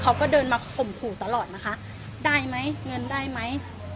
เขาก็เดินมาข่มขู่ตลอดนะคะได้ไหมเงินได้ไหม